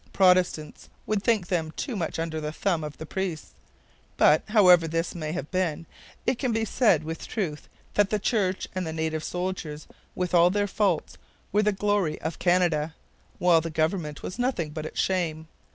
Protestants would think them too much under the thumb of the priests. But, however this may have been, it can be said with truth that the church and the native soldiers, with all their faults, were the glory of Canada, while the government was nothing but its shame.